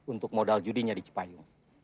untuk modal judinya di cipayung